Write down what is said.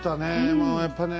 もうやっぱね